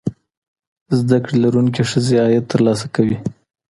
زده کړې لرونکې ښځې عاید ترلاسه کوي.